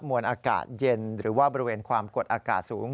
มวลอากาศเย็นหรือว่าบริเวณความกดอากาศสูง